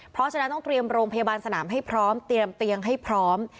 เพราะฉะนั้นต้องเตรียมโรงพยาบาลสนามให้พร้อมเตรียมเตียงให้พร้อม